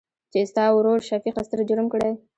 چې ستا ورورشفيق ستر جرم کړى.